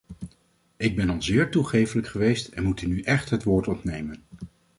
Ik ben al zeer toegeeflijk geweest en moet u nu echt het woord ontnemen.